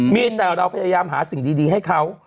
มีแต่เราพยายามหาสิ่งดีให้เขา